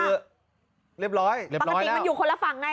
เรียบร้อยเรียบร้อยแล้วมันอยู่คนละฝั่งไงอ่ะ